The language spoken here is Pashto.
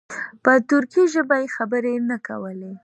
په ترکي ژبه یې خبرې نه کولې.